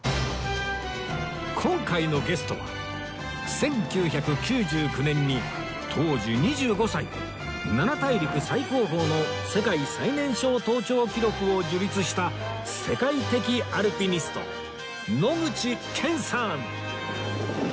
今回のゲストは１９９９年に当時２５歳で７大陸最高峰の世界最年少登頂記録を樹立した世界的アルピニスト野口健さん